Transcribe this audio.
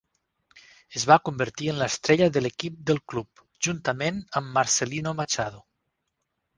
Es va convertir en l"estrella de l"equip del club, juntament amb Marcelinho Machado.